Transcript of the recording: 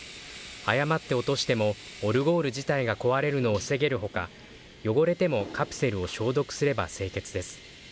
誤って落としても、オルゴール自体が壊れるのを防げるほか、汚れてもカプセルを消毒すれば清潔です。